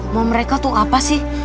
mau mereka tuh apa sih